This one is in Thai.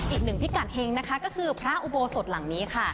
อีกหนึ่งพิกัดเฮงนะคะก็คือพระอุโบสถหลังนี้ค่ะ